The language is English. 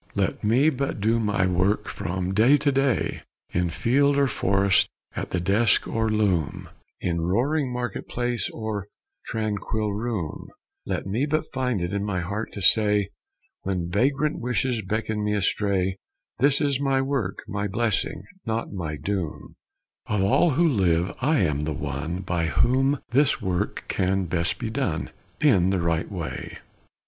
Let me but do my work from day to day, In field or forest, at the desk or loom, In roaring market place or tranquil room; Let me but find it in my heart to say, When vagrant wishes beckon me astray, "This is my work; my blessing, not my doom; Of all who live, I am the one by whom This work can best be done in the right way."